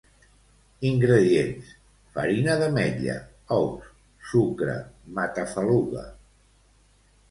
Ingredients: farina d'ametlla, ous, sucre, matafaluga